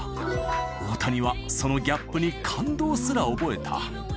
大谷はそのギャップに感動すら覚えた。